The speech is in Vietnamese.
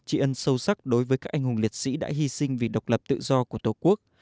trị ân sâu sắc đối với các anh hùng liệt sĩ đã hy sinh vì độc lập tự do của tổ quốc